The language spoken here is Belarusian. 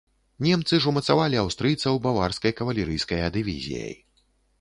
Немцы ж умацавалі аўстрыйцаў баварскай кавалерыйская дывізіяй.